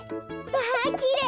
わきれい！